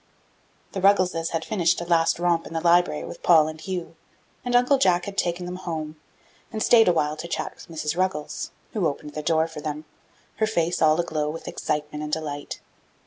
The Ruggleses had finished a last romp in the library with Paul and Hugh, and Uncle Jack had taken them home, and stayed a while to chat with Mrs. Ruggles, who opened the door for them, her face all aglow with excitement and delight.